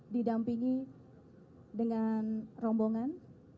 didampingi dengan rombongan